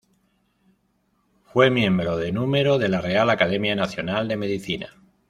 Fue miembro de número de la Real Academia Nacional de Medicina.